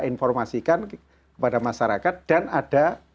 informasikan kepada masyarakat dan ada